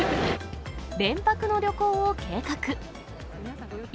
連泊の旅行を計画。